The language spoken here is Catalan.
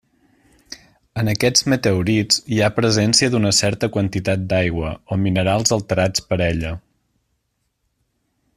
En aquests meteorits hi ha presència d'una certa quantitat d'aigua, o minerals alterats per ella.